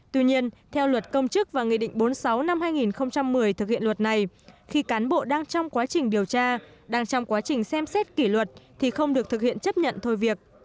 tuy nhiên theo luật công chức và nghị định bốn mươi sáu năm hai nghìn một mươi thực hiện luật này khi cán bộ đang trong quá trình điều tra đang trong quá trình xem xét kỷ luật thì không được thực hiện chấp nhận thôi việc